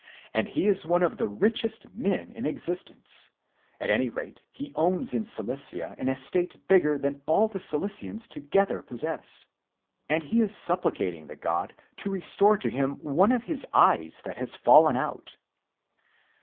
And he is one of the richest men in existence ; at any rate he owns in : Cilicia _an estate bigger than all the Cilicians together erences. And he is supplicating the god to restore _to him one of his eyes that has fallen out."